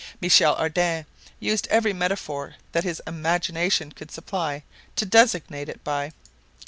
Michel Ardan used every metaphor that his imagination could supply to designate it by.